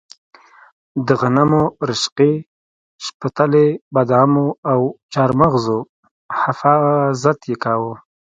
د غنمو، رشقې، شپتلې، بادامو او چارمغزو حفاظت یې کاوه.